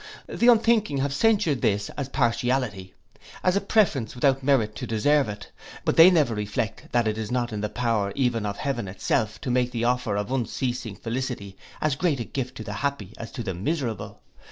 The unthinking have censured this as partiality, as a preference without merit to deserve it. But they never reflect that it is not in the power even of heaven itself to make the offer of unceasing felicity as great a gift to the happy as to the miserable.